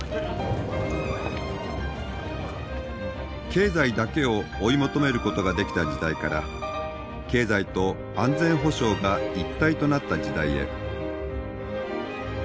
経済だけを追い求めることができた時代から経済と安全保障が一体となった時代へ。